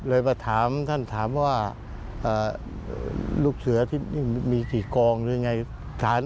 มาถามท่านถามว่าลูกเสือที่มีกี่กองหรือยังไง